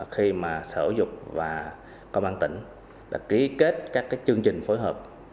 khi mà sở giáo dục và công an tỉnh đã ký kết các chương trình phối hợp